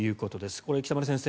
これ、北村先生